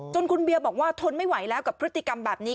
คุณเบียบอกว่าทนไม่ไหวแล้วกับพฤติกรรมแบบนี้